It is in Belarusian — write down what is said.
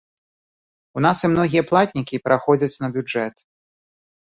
У нас і многія платнікі пераходзяць на бюджэт.